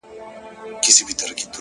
• زه او زما ورته ياران؛